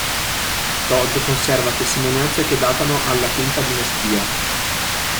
Tod conserva testimonianze che datano alla V dinastia.